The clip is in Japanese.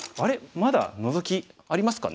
まだノゾキありますかね。